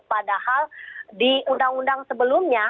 padahal di undang undang sebelumnya